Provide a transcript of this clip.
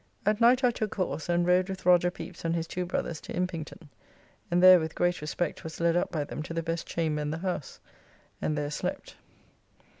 At night I took horse, and rode with Roger Pepys and his two brothers to Impington, and there with great respect was led up by them to the best chamber in the house, and there slept.